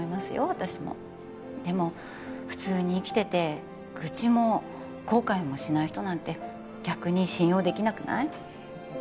私もでも普通に生きてて愚痴も後悔もしない人なんて逆に信用できなくない？